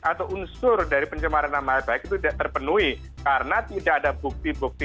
atau unsur dari pencemaran nama baik itu tidak terpenuhi karena tidak ada bukti bukti